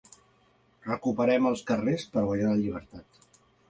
“Recuperem els carrers per guanyar la llibertat”.